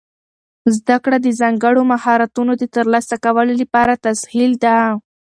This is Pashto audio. زده کړه د ځانګړو مهارتونو د ترلاسه کولو لپاره تسهیل ده.